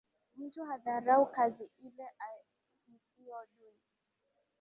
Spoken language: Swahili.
Mtu hadharau kazi, ile ahisiyo duni